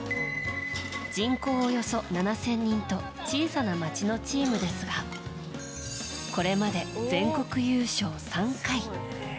人口およそ７０００人と小さな町のチームですがこれまで、全国優勝３回。